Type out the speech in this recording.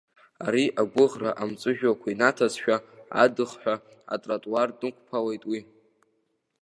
Ари агәыӷра амҵәыжәҩақәа инаҭазшәа, адыхҳәа атротуар днықәԥалеит уи.